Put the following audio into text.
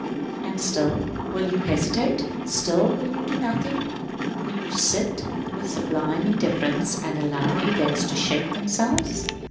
And still will you hesitate; still will you do nothing? Will you sit with sublime indifference and allow events to shape themselves?